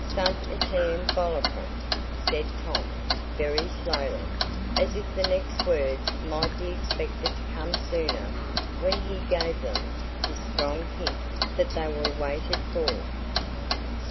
"Sunt etiam volucrum," said Tom, very slowly, as if the next words might be expected to come sooner when he gave them this strong hint that they were waited for.